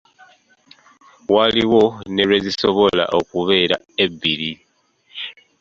Waliwo ne lwezisobola okubeera ebbiri.